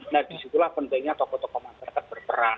nah disitulah pentingnya tokoh tokoh masyarakat berperan